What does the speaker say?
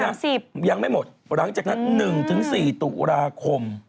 ยังไม่หมดหลังจากนั้น๑๔ตุลาคม